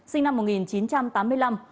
sinh năm một nghìn chín trăm tám mươi năm